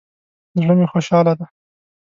زړه می خوشحاله ده